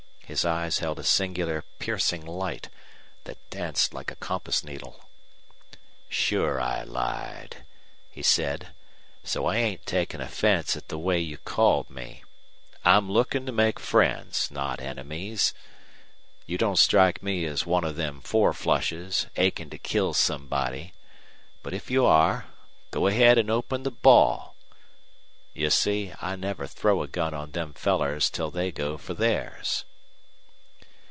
His eyes held a singular piercing light that danced like a compass needle. "Sure I lied," he said; "so I ain't takin' offense at the way you called me. I'm lookin' to make friends, not enemies. You don't strike me as one of them four flushes, achin' to kill somebody. But if you are go ahead an' open the ball.... You see, I never throw a gun on them fellers till they go fer theirs."